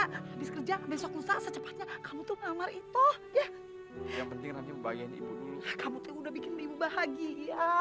habis kerja besok usaha secepatnya kamu tuh ngamar itu ya yang penting nanti bagian ibu kamu tuh udah bikin bahagia